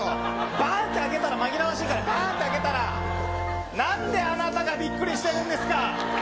ばんっ！って開けたら、紛らわしいから、ばーんって開けたら、なんであなたがびっくりしてるんですか？